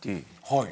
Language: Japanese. はい。